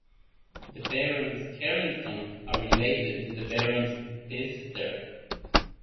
The Barons Carrington are related to the Barons Bicester.